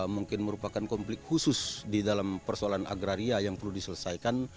mungkin merupakan konflik khusus di dalam persoalan agraria yang perlu diselesaikan